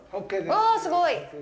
わあ、すごい。